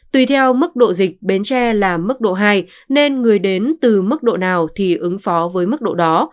tùy theo mức độ dịch bến tre là mức độ hai nên người đến từ mức độ nào thì ứng phó với mức độ đó